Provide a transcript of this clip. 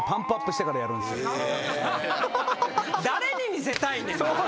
誰に見せたいねんな！